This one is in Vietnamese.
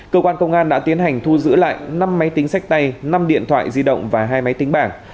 cơ quan công an đã tiến hành thu giữ lại năm máy tính sách tay năm điện thoại di động và hai máy tính bảng